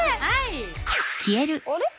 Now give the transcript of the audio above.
あれ？